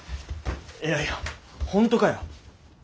いやいや本当かよ？